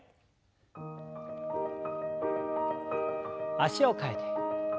脚を替えて。